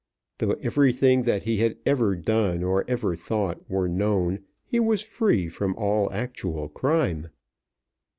Though everything that he had ever done or ever thought were known, he was free from all actual crime.